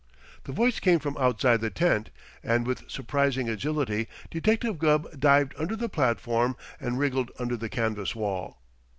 The voice came from outside the tent, and with surprising agility Detective Gubb dived under the platform and wriggled under the canvas wall.